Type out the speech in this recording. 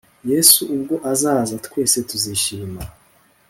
Yesu ubwo azaza twese tuzishima